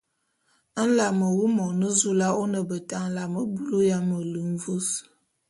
Nlame wu, Monezoula, ô ne beta nlame bulu ya melu mvus.